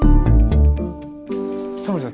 タモリさん